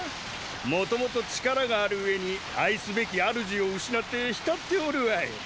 もともと力がある上に愛すべき主を失ってひたっておるわい。